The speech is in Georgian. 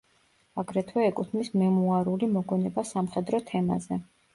აგრეთვე ეკუთვნის მემუარული მოგონება სამხედრო თემაზე.